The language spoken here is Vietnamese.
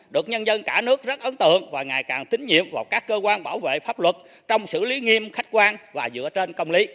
được nhân dân cả nước rất ấn tượng và ngày càng tín nhiệm vào các cơ quan bảo vệ pháp luật trong xử lý nghiêm khách quan và dựa trên công lý